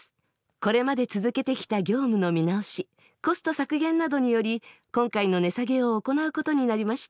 これまで続けてきた業務の見直しコスト削減などにより今回の値下げを行うことになりました。